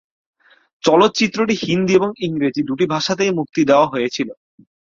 চলচ্চিত্রটি হিন্দি এবং ইংরেজি দুটি ভাষাতেই মুক্তি দেওয়া হয়েছিলো।